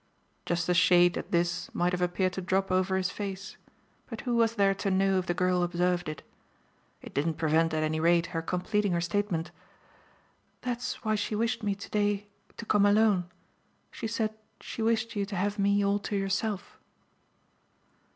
Just a shade, at this, might have appeared to drop over his face, but who was there to know if the girl observed it? It didn't prevent at any rate her completing her statement. "That's why she wished me to day to come alone. She said she wished you to have me all to yourself."